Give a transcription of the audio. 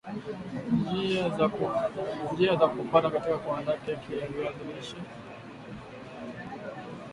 njia za kufuata katika kuandaa keki ya viazi lishe